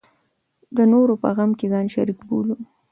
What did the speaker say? د نورو په غم کې ځان شریک بولو.